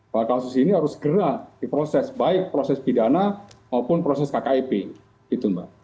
bahkan kkip ini harus segera diproses baik proses pidana maupun proses kkip itu mbak